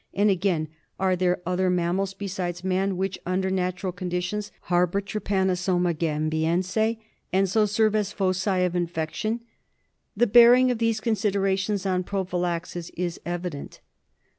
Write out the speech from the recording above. And again, are there other mammals besides man which, under natural conditions, harbour Trypanosoma gambiense, and so serve as foci of infection ? The bearing of these considerations on prophylaxis is evident.